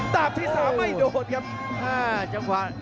ดาบที่สามไม่โดดครับ